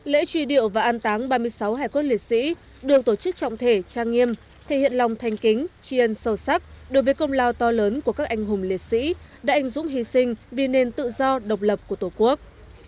lễ truy điệu và an táng ba mươi sáu hải cốt liệt sĩ được tổ chức trọng thể trang nghiêm thể hiện lòng thanh kính tri ân sâu sắc đối với công lao to lớn của các anh hùng liệt sĩ đã anh dũng hy sinh vì nền tự do độc lập của tổ quốc